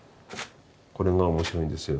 これが面白いんですよ。